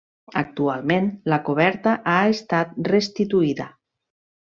Actualment, la coberta ha estat restituïda.